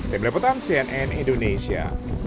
demi repotan cnn indonesia